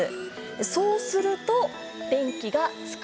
そうすると電気がつくられる。